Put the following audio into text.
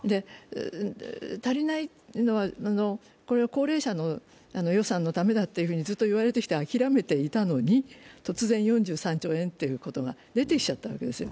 足りないのは高齢者の予算のためだっていうふうにずっと諦めていたのに諦めていたのに、突然４３兆円ということが出てきちゃったわけですよ。